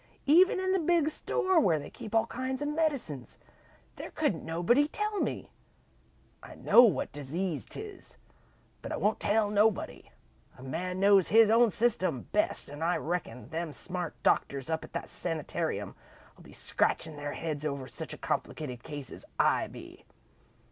Even in the big store where they keep all kinds of medicines, there couldn't nobody tell me. I know what disease 'tis, but I won't tell nobody. A man knows his own system best an' I reckon them smart doctors up at the sanitarium 'll be scratchin' their heads over such a complicated case as I be.